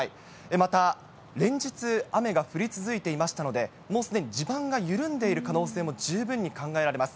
また連日、雨が降り続いていましたので、もうすでに地盤が緩んでいる可能性も十分に考えられます。